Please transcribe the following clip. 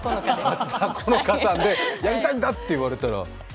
松田好花でやりたいんだと言われたら。